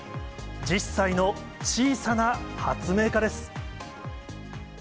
１０歳の小さな発明家です。